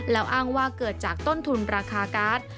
แล้วอ้างว่าเกิดจากต้นทุนราคาการ์ด